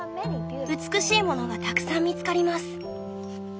美しいものがたくさん見つかります」。